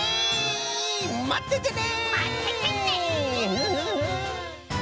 まっててね！